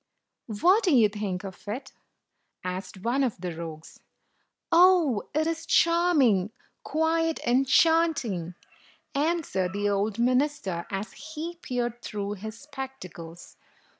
"What do you think of it?" asked one of the rogues. "Oh, it is charming, quite enchanting!" an swered the old minister, as he peered through his spectacles.